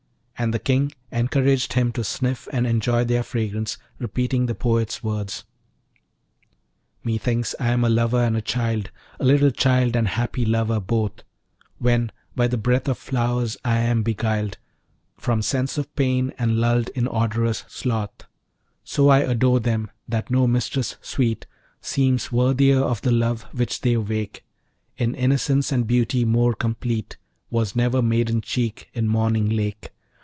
And the King encouraged him to sniff and enjoy their fragrance, repeating the poet's words: Methinks I am a lover and a child, A little child and happy lover, both! When by the breath of flowers I am beguiled From sense of pain, and lulled in odorous sloth. So I adore them, that no mistress sweet Seems worthier of the love which they awake: In innocence and beauty more complete, Was never maiden cheek in morning lake.